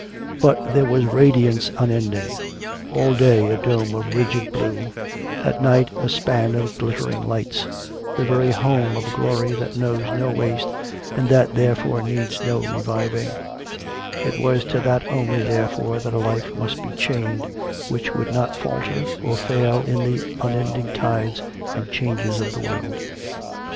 But there was ra diance unending. All day a dome of rigid blue; all night a span of glittering lights — the very home of a glory that knows no waste and that therefore needs no reviving: it was to that only, therefore, that a life must be chained which would not falter or fail in the unending tides and changes of the world.